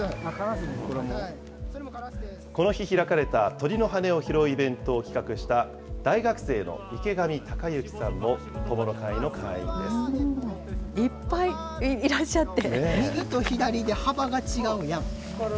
この日、開かれた鳥の羽を拾うイベントを企画した大学生の池上隆之さんもいっぱいいらっしゃって。